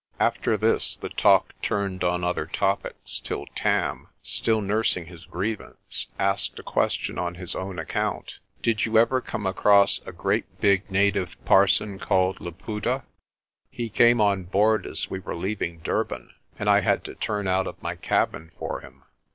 After this the talk turned on other topics till Tarn, still nursing his grievance, asked a question on his own account. "Did you ever come across a great big native parson called Laputa? He came on board as we were leaving Durban, and I had to turn out of my cabin for him."